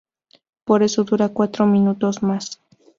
Por eso dura cuatro minutos más.